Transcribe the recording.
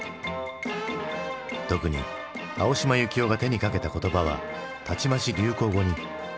特に青島幸男が手にかけた言葉はたちまち流行語に。